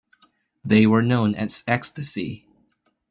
They were known as "Ecstasy".